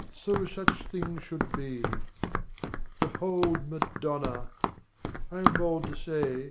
so such things should be Behold Madonna! I am bold to say.